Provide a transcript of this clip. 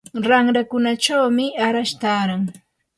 ranrakunachawmi arash taaran.